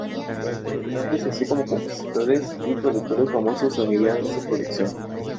Durante el Neolítico se desarrollan la agricultura y la ganadería.